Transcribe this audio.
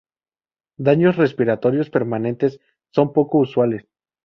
Daños respiratorios permanentes son poco usuales.